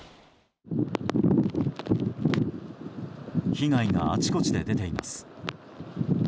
被害があちこちで出ています。